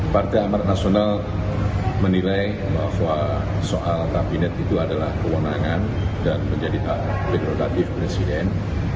partai amarat nasional menilai bahwa soal kabinet itu adalah kewenangan dan menjadi hak prerogatif presiden